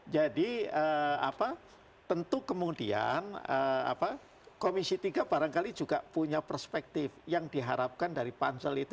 jadi apa tentu kemudian apa komisi tiga barangkali juga punya perspektif yang diharapkan dari pansel itu